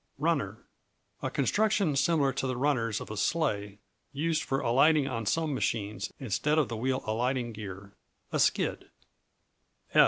Runner A construction similar to the runners of a sleigh, used for alighting on some machines, instead of the wheel alighting gear; a skid.